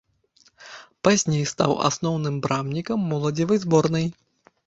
Пазней стаў асноўным брамнікам моладзевай зборнай.